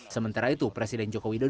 sementara itu presiden jokowi ditemukan